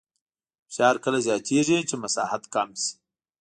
فشار کله زیاتېږي چې مساحت کم شي.